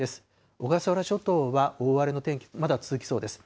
小笠原諸島は大荒れの天気、まだ続きそうです。